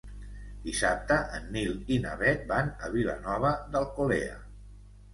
Dissabte en Nil i na Bet van a Vilanova d'Alcolea.